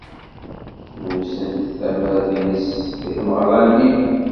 Yewzen tamart-nnes i tmeɣra-nni.